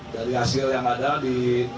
dari hasil yang ada di